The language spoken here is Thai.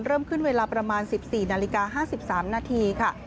เริ่มขึ้นเวลาประมาณ๑๔นาฬิกา๕๓นาทีค่ะ